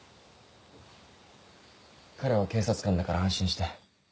彼は警察官だから安心して。